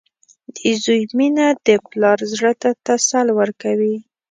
• د زوی مینه د پلار زړۀ ته تسل ورکوي.